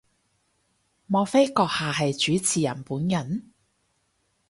莫非閣下係主持人本人？